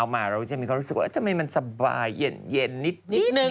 มาเราก็จะมีความรู้สึกว่าทำไมมันสบายเย็นนิดนึง